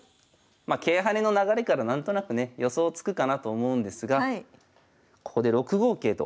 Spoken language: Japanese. ま桂跳ねの流れから何となくね予想つくかなと思うんですがここで６五桂と。